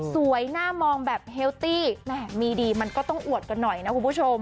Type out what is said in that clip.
หน้ามองแบบเฮลตี้แหมมีดีมันก็ต้องอวดกันหน่อยนะคุณผู้ชม